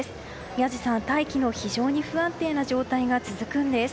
宮司さん、大気の非常に不安定な状態が続くんです。